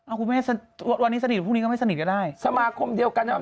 เอาคุณแม่วันนี้สนิทหรือพรุ่งนี้ก็ไม่สนิทก็ได้สมาคมเดียวกันนะ